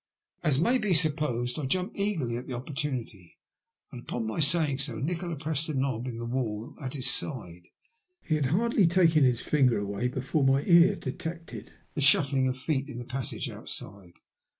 As may be supposed, I jumped eagerly at the oppor timity ; and upon my saying so, Nikola pressed a knob in the wall at his side. He had hardly taken his finger away before my ear detected the shuffling of feet in the passage outside.